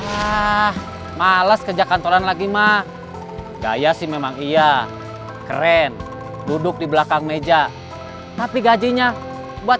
ah males kerja kantoran lagi mah gaya sih memang iya keren duduk di belakang meja tapi gajinya buat